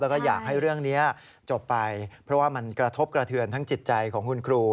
แล้วก็อยากให้เรื่องนี้จบไปเพราะว่ามันกระทบกระเทือนทั้งจิตใจของคุณครู